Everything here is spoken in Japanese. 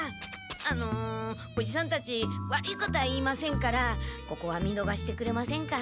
あのおじさんたち悪いことは言いませんからここは見のがしてくれませんか？